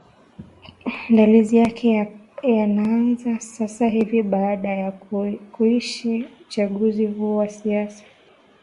ndalizi yake yanaanza sasa hivi baada ya kuisha uchanguzi huu wa sasa hivi